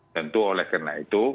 tentu oleh karena itu